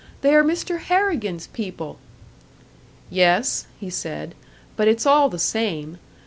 They are Mr. Harrigan's people!" "Yes," he said, "but it's all the same.